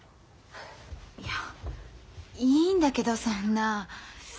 いやいいんだけどそんな。